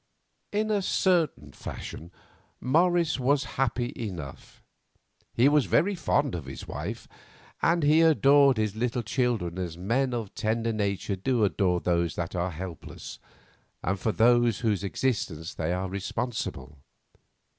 In a certain fashion Morris was happy enough. He was very fond of his wife, and he adored his little children as men of tender nature do adore those that are helpless, and for whose existence they are responsible.